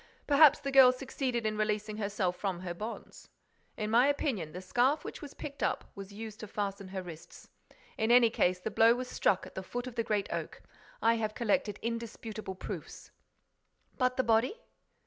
Perhaps the girl succeeded in releasing herself from her bonds. In my opinion, the scarf which was picked up was used to fasten her wrists. In any case, the blow was struck at the foot of the Great Oak. I have collected indisputable proofs—" "But the body?"